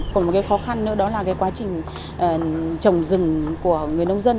còn một cái khó khăn nữa đó là cái quá trình trồng rừng của người nông dân